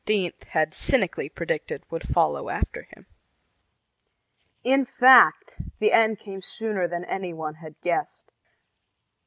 had cynically predicted would follow after him. In fact, the end came sooner than any one had guessed.